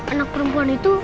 anak perempuan itu